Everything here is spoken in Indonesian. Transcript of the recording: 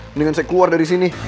mendingan saya keluar dari sini